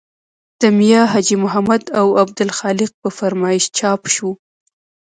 د میا حاجي محمد او عبدالخالق په فرمایش چاپ شو.